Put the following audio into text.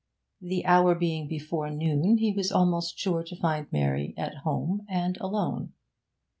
The hour being before noon, he was almost sure to find Mary at home, and alone.